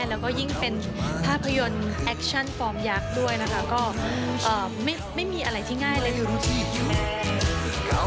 ง่ายแล้วก็ยิ่งเป็นภาพยนตร์แอคชั่นฟอร์มยักษ์ด้วยนะครับ